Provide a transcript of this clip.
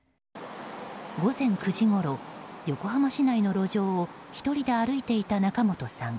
午前９時ごろ、横浜市内の路上を１人で歩いていた仲本さん。